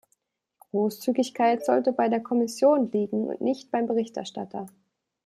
Die Großzügigkeit sollte bei der Kommission liegen und nicht beim Berichterstatter!